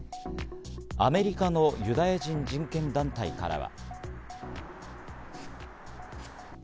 アメリカのユダヤ人人権団体からは。